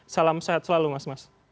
salam sehat selalu mas